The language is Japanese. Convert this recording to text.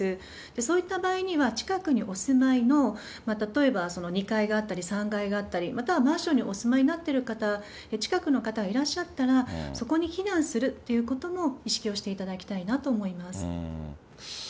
そういった場合には、近くにお住まいの、例えば２階があったり、３階があったり、またはマンションにお住まいになってる方、近くの方、いらっしゃったら、そこに避難するっていうことも意識をしていただきたいなと思います。